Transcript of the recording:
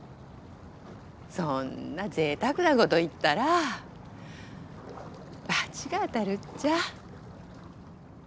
そんなぜいたくなこと言ったらバチが当たるっちゃ。